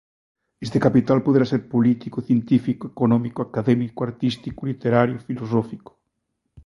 Este capital poderá ser político, científico, económico, académico, artístico, literario, filosófico...